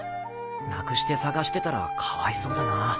なくして捜してたらかわいそうだな。